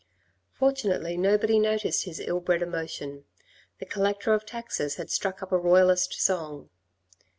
Fortunately nobody noticed his ill bred emotion. The collector of taxes had struck up a royalist song.